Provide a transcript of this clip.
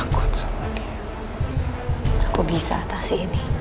kamu bisa atasi ini